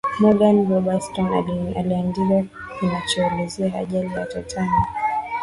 morgan robertson aliandika kinachoelezea ajali ya titanic